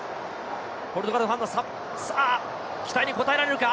ポルトガルファンの期待に応えられるか。